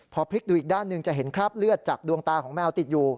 พอพลิกดูอีกด้านหนึ่งจะเห็นคราบเลือดจากดวงตาของแมวติดอยู่